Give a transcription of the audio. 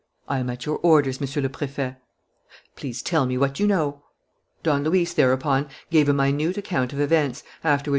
"I am at your orders, Monsieur le Préfet." "Please tell us what you know." Don Luis thereupon gave a minute account of events, after which M.